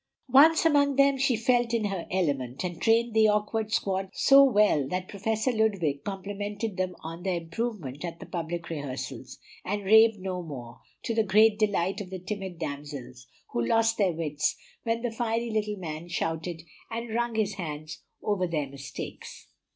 Once among them she felt in her element, and trained the awkward squad so well that Professor Ludwig complimented them on their improvement at the public rehearsals, and raved no more, to the great delight of the timid damsels, who lost their wits when the fiery little man shouted and wrung his hands over their mistakes.